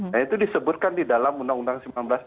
nah itu disebutkan di dalam undang undang sembilan belas